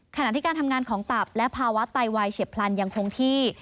ขณะที่การทำงานของตับและภาวะไตวายเฉียบพลันยังคงที่